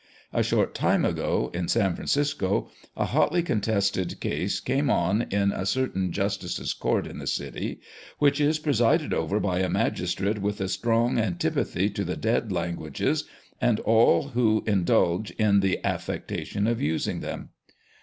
A short time ago, in San Francisco, a hotly contested case came on in a certain justice's court in the city, which is pre sided over by a magistrate with a strong anti pathy to the dead languages, and all who in dulge in the affectation of using them.